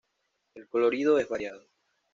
El colorido es variado.